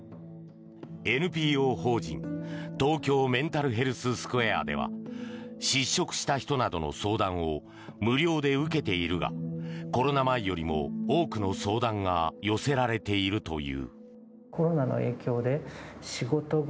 ＮＰＯ法人東京メンタルヘルス・スクエアでは失職した人などの相談を無料で受けているがコロナ前よりも多くの相談が寄せられているという。